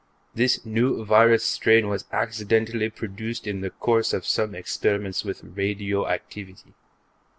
This new virus strain was accidentally produced in the course of some experiments with radioactivity.